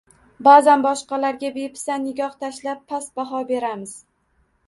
Ba`zan boshqalarga bepisand nigoh tashlab, past baho beramiz